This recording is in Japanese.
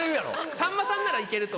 さんまさんなら行けると。